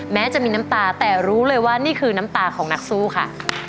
แม้จะมีน้ำตาแต่รู้เลยว่านี่คือน้ำตาของนักสู้ค่ะ